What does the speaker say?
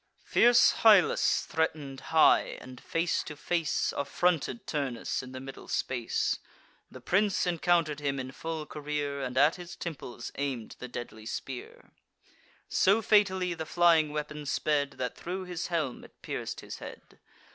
Fierce Hyllus threaten'd high, and, face to face, Affronted Turnus in the middle space: The prince encounter'd him in full career, And at his temples aim'd the deadly spear; So fatally the flying weapon sped, That thro' his brazen helm it pierc'd his head.